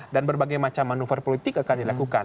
dan berbagai macam manuver politik akan dilakukan